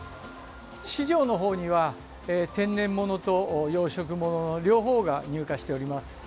市場の方には天然物と養殖物の両方が入荷しております。